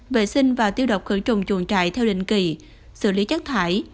vệ sinh và tiêu độc khử trùng chuồng trại theo định kỳ xử lý chất thải